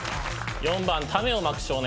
４番種をまく少年？